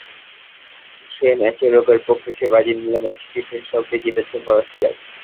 সে ম্যাচে উরুগুয়ের পক্ষে সে বাজি নিলেও ম্যাচটি শেষ অবধি জিতেছে ফরাসিরাই।